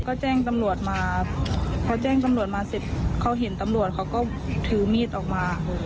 ก็แจ้งตำรวจมาพอแจ้งตำรวจมาเสร็จเขาเห็นตำรวจเขาก็ถือมีดออกมา